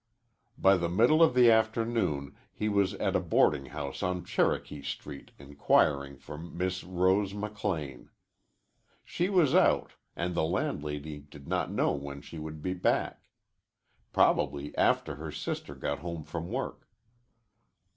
By the middle of the afternoon he was at a boarding house on Cherokee Street inquiring for Miss Rose McLean. She was out, and the landlady did not know when she would be back. Probably after her sister got home from work.